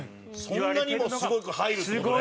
そんなにもすごく入るって事ね？